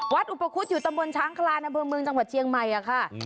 วัดอุปกรุษอยู่ตำรวจช้างคลานบเมืองจังหวัดเชียงใหม่ค่ะ